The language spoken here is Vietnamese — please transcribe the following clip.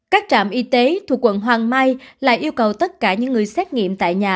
các trạm y tế thuộc quận hoàng mai lại yêu cầu tất cả những người xét nghiệm tại nhà